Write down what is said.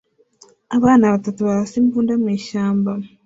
Abana batatu barasa imbunda mu ishyamba